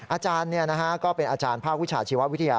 อาจารย์ก็เป็นอาจารย์ภาควิชาชีววิทยา